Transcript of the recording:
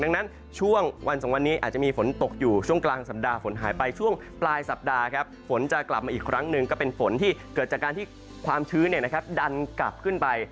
ดังนั้นช่วงวันสองวันนี้อาจจะมีฝนตกอยู่ช่วงกลางสัปดาห์ฝนหายไปช่วงปลายสัปดาห์ครับฝนจะกลับมาอีกครั้งหนึ่งก็เป็นฝนที่เกิดจากการที่ความชื้นดันกลับขึ้นไป